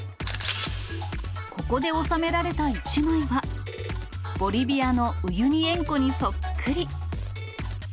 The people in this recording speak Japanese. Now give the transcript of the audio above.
ここで収められた一枚はボリビアのウユニ塩湖にそっくり。